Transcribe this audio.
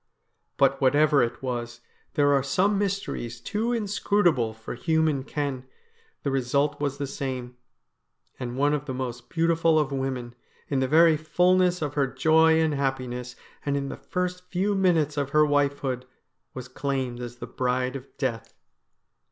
But whatever it was — there are some mysteries too inscrutable for human ken — the result was the same ; and one of the most beautiful of women, in the very fulness of her joy and happiness, and in the first few minutes of her wifehood, was claimed as the Bride of Death.